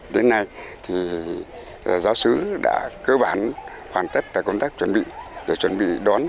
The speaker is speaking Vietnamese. đến nay thì giáo sứ đã cơ bản hoàn tất và công tác chuẩn bị để chuẩn bị đón chúa giáng sinh